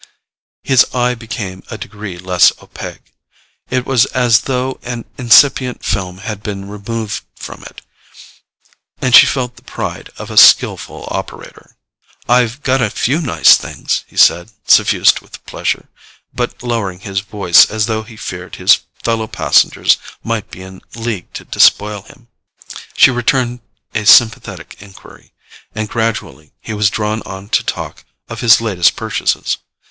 His eye became a degree less opaque: it was as though an incipient film had been removed from it, and she felt the pride of a skilful operator. "I've got a few new things," he said, suffused with pleasure, but lowering his voice as though he feared his fellow passengers might be in league to despoil him. She returned a sympathetic enquiry, and gradually he was drawn on to talk of his latest purchases.